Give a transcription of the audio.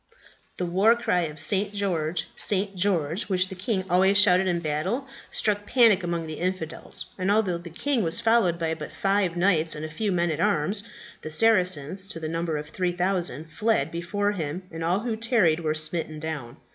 The war cry of "St. George! St. George!" which the king always shouted in battle, struck panic among the infidels; and although the king was followed but by five knights and a few men at arms, the Saracens, to the number of 3000, fled before him, and all who tarried were smitten down.